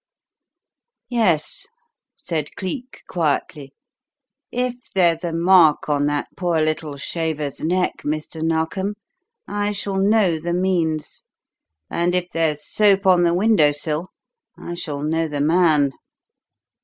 "Yes," said Cleek, quietly. "If there's a mark on that poor little shaver's neck, Mr. Narkom, I shall know the means. And if there's soap on the window sill I shall know the man!"